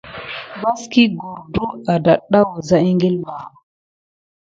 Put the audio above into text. Vaki gorkute amà tada wusa ekile ɓā.